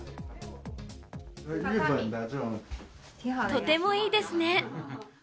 とてもいいですね。